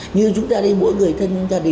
như chúng ta đây mỗi người thân